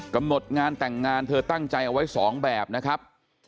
กำหนดงานแต่งงานเธอตั้งใจเอาไว้๒แบบนะครับ